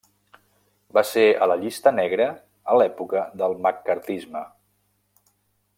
Va ser a la llista negra a l'època del maccarthisme.